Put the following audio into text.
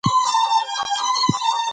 منی د افغان ماشومانو د لوبو موضوع ده.